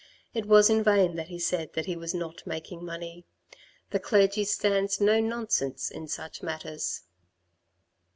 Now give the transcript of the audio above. It was in vain that he said that he was not making money. The clergy stands no nonsense in such matters.